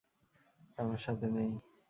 আমার সাথে নেই।